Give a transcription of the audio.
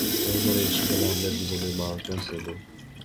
নভেম্বরের এক সকালে, আমার জীবনে মার্কাস এলো।